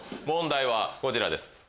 問題はこちらです。